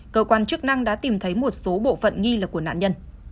cơ quan chức năng đã tìm thấy một số bộ phận nghi là của nạn nhân